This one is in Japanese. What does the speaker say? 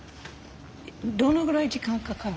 どのぐらい時間かかるの？